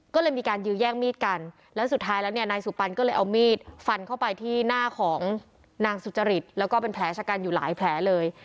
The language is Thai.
ก็เลยมีการยื้อแย่งมีดกันแล้วสุดท้ายแล้วเนี่ยนายสุปันก็เลยเอามีดฟันเข้าไปที่หน้าของนางสุจริตแล้วก็เป็นแผลชะกันอยู่หลายแผลเลย